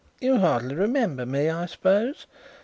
"You hardly remember me, I suppose?